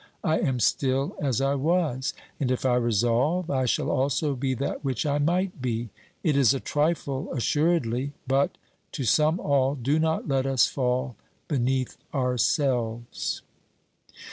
I am still as I was; and if I resolve, I shall also be that which I might be. It is a trifle assuredly ; but, to sum all, do not let us fall beneath our selves.